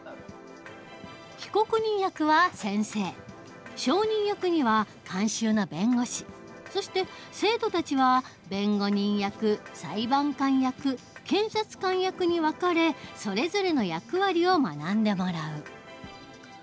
被告人役は先生証人役には監修の弁護士そして生徒たちは弁護人役裁判官役検察官役に分かれそれぞれの役割を学んでもらう。